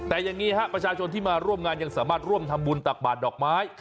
แต่อย่างนี้ฮะประชาชนที่มาร่วมงานยังสามารถร่วมทำบุญตักบาทดอกไม้